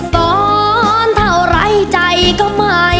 ซ้อนเท่าไหร่ใจเจ้าเอ๋ยถ้าเคยตัวใหญ่